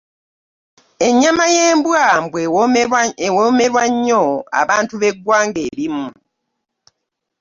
Ennyama y'embwa mbu ewoomera nnyo abantu b'eggwanga erimu.